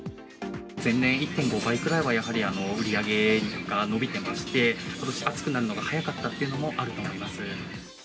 前年１．５倍くらいは、やはり売り上げが伸びてまして、ことし暑くなるのが早かったっていうのもあると思います。